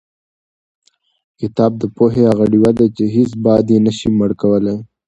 کتاب د پوهې هغه ډیوه ده چې هېڅ باد یې نشي مړ کولی.